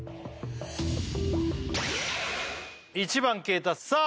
１番消えたさあ